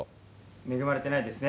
恵まれてないですね。